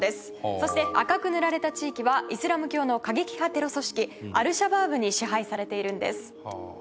そして赤く塗られた地域はイスラム教の過激派テロ組織アル・シャバーブに支配されているんです。